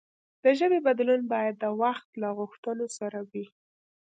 د ژبې بدلون باید د وخت له غوښتنو سره وي.